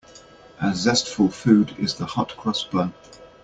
A zestful food is the hot-cross bun.